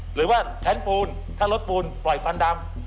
หรือว่าแท้นปูนถ้ารถปูนปล่อยควันดำ